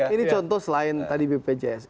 ini contoh selain tadi bpjs